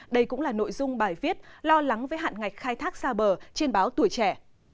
đây cũng là nội dung bài viết lo lắng với hạn ngạch khai thác xa bờ trên báo tuổi trẻ